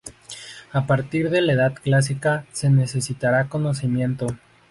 A partir de la edad Clásica se necesitara conocimiento.